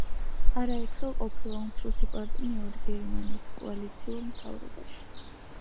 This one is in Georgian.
არაერთხელ ყოფილა უმცროსი პარტნიორი გერმანიის კოალიციურ მთავრობაში.